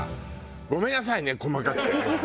ごめんなさいね細かくてね。